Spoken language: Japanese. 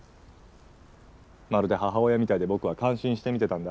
まるで母親みたいで僕は感心して見てたんだ。